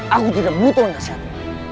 aku tidak butuh nasihatmu